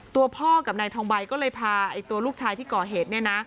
ตัวพ่อกับนายทองใบก็เลยพาตัวลูกชายที่ก่อเหตุเนี่ยนะ